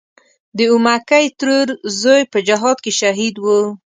د اومکۍ ترور زوی په جهاد کې شهید و.